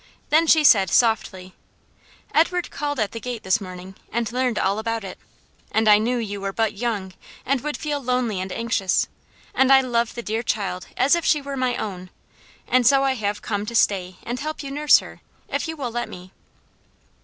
Then she said, softly, "Edward called at the gate this morning, and learned all about it; and I knew you were but young, and would feel lonely and anxious, and I love the dear child as if she were my own, and so I have come to stay and help you nurse her, if you will let me."